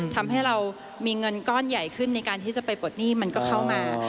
ทำให้เรามีเงินก้อนใหญ่ขึ้นในการที่จะไปปลดหนี้มันก็เข้ามา